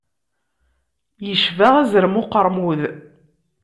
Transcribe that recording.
Yecba azrem n uqermud.